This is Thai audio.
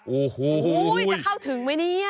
โอ้โหจะเข้าถึงไหมเนี่ย